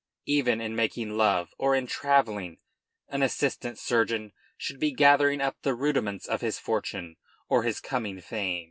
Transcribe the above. Even in making love or in travelling, an assistant surgeon should be gathering up the rudiments of his fortune or his coming fame.